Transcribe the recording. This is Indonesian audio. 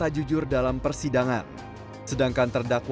andi irfan mengatakan begitu